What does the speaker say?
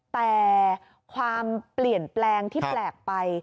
แต่ความเปลี่ยนแปลงที่แปลกไป